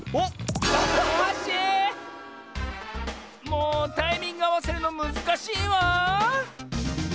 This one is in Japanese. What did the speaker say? もうタイミングあわせるのむずかしいわ！